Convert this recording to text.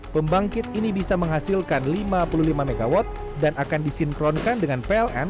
pembangkit ini bisa menghasilkan lima puluh lima mw dan akan disinkronkan dengan pln